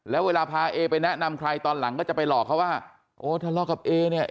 แล้วเวลาพาเอไปแนะนำใครตอนหลังก็จะไปหลอกเขาว่าโอ้ทะเลาะกับเอเนี่ย